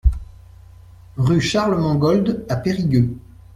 Rue Charles Mangold à Périgueux